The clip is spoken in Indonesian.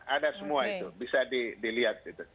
ada semua itu bisa dilihat